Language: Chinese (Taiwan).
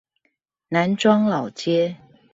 南庄老街